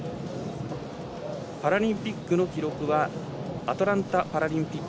パラリンピックの記録はアトランタパラリンピック